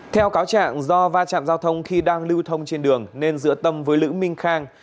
theo cáo trạng do va chạm giao thông khi đang lưu thông trên đường nên giữa tâm với lữ minh khang